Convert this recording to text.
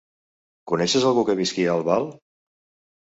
Coneixes algú que visqui a Albal?